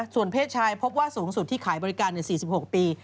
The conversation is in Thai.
ส่วนเพศชายพบว่าสูงสุดที่ขายบริการ๔๖ปี